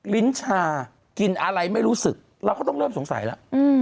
ลิ้นชากินอะไรไม่รู้สึกเราก็ต้องเริ่มสงสัยแล้ว